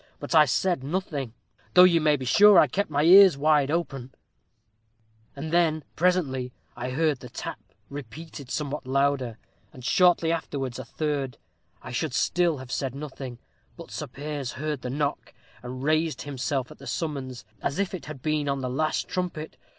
But I said nothing, though you may be sure I kept my ears wide open and then presently I heard the tap repeated somewhat louder, and shortly afterwards a third I should still have said nothing, but Sir Piers heard the knock, and raised himself at the summons, as if it had been the last trumpet.